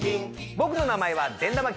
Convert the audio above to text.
僕の名前は善玉菌。